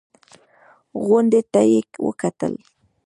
غونډۍ ته يې وکتل.